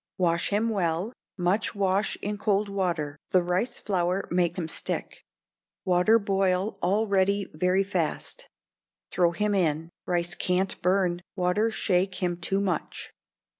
Wash him well, much wash in cold water, the rice flour make him stick. Water boil all ready very fast. Throw him in, rice can't burn, water shake him too much.